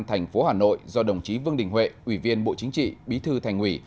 thành phố hà nội do đồng chí vương đình huệ ủy viên bộ chính trị bí thư thành ủy